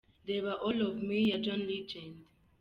Reba All Of Me ya John Legend.